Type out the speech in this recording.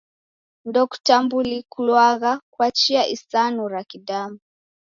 Ndokutambukilwagha kwa chia isanu ra kidamu.